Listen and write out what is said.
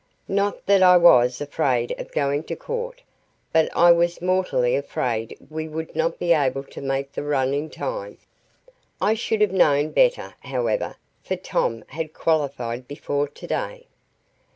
"Not that I was afraid of going to court, but I was mortally afraid we would not be able to make the run in time. I should have known better, however, for Tom had qualified before to day."